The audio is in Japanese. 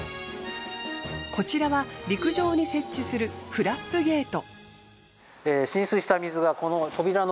こちらは陸上に設置するフラップゲート。